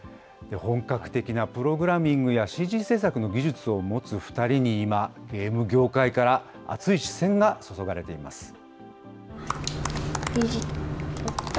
本格的なプログラミングやＣＧ制作の技術を持つ２人に今、ゲーム業界から、熱い視線が注がれています。